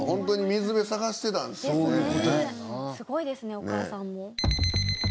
すごいですねお母さんも。